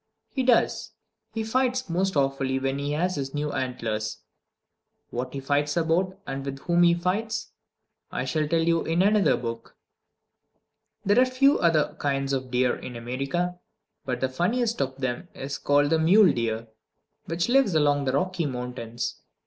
He does! He fights most awfully when he has his new antlers. What he fights about, and with whom he fights, I shall tell you in another book. There are a few other kinds of deer in America, but the funniest of them is called the mule deer, which lives along the Rocky Mountains.